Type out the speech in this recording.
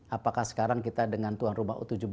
apakah sekarang kita dengan tuan rumah u tujuh belas